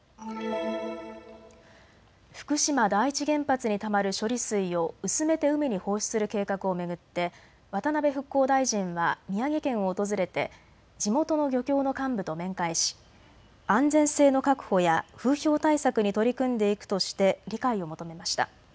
福島第一原発にたまる処理水を薄めて海に放出する計画を巡って渡辺復興大臣は宮城県を訪れて地元の漁協の幹部と面会し安全性の確保や風評対策に取り組んでいくとして理解を求めました。